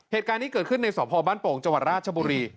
เหตุการณ์นี้เกิดขึ้นในสพบ้านโป่งจังหวัดราชบุรี